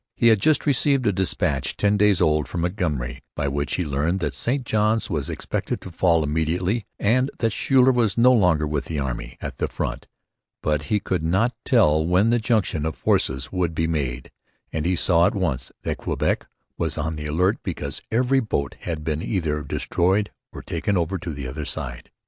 He had just received a dispatch ten days old from Montgomery by which he learned that St Johns was expected to fall immediately and that Schuyler was no longer with the army at the front. But he could not tell when the junction of forces would be made; and he saw at once that Quebec was on the alert because every boat had been either destroyed or taken over to the other side.